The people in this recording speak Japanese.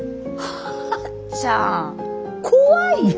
はっちゃん怖いよ。